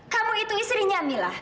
kamu itu istrinya mila